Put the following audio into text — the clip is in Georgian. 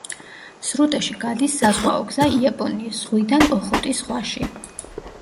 სრუტეში გადის საზღვაო გზა იაპონიის ზღვიდან ოხოტის ზღვაში.